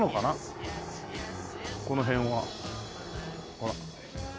ほら。